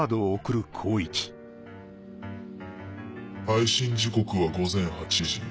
配信時刻は午前８時。